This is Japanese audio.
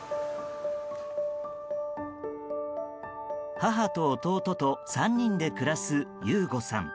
母と弟と３人で暮らす悠悟さん。